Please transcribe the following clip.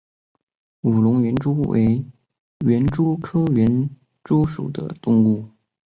武隆园蛛为园蛛科园蛛属的动物。